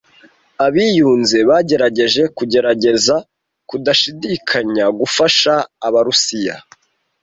Abiyunze bagerageje kugerageza kudashidikanya gufasha Abarusiya.